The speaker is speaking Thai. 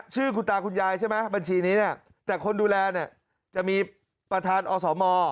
ชื่อคุณตาคุณยายใช่ไหมบัญชีนี้เนี่ยแต่คนดูแลเนี่ยจะมีประธานอสม